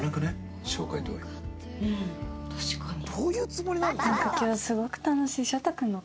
どういうつもりなの？